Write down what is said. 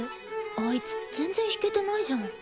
あいつ全然弾けてないじゃん。